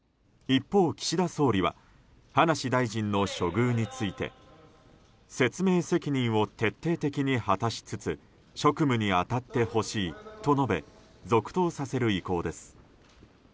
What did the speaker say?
一方、岸田総理は葉梨大臣の処遇について説明責任を徹底的に果たしつつ職務に当たってほしいと述べ続投させる意向です。